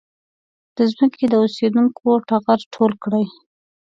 د ځمکې د اوسېدونکو ټغر ټول کړي.